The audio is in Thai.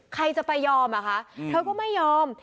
ใครจะไปยอมอ่ะคะเธอก็ไม่ยอม